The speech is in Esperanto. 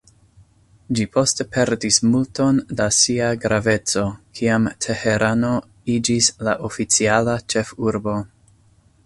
Ĝi poste perdis multon da sia graveco, kiam Teherano iĝis la oficiala ĉefurbo.